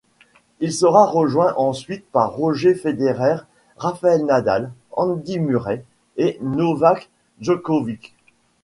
Il sera rejoint ensuite par Roger Federer, Rafael Nadal, Andy Murray et Novak Djokovic.